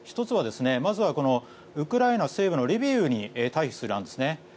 １つはまずはウクライナ西部のリビウに退避する案ですね。